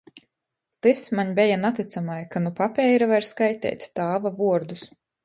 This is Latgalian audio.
Tys maņ beja natycamai, ka nu papeira var skaiteit tāva vuordus.